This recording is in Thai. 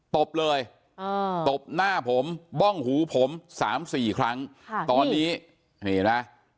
ตบเลยตบหน้าผมบ้องหูผม๓๔ครั้งตอนนี้นี่เห็นไหม